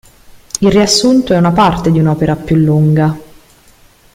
Il riassunto è una parte di un'opera più lunga.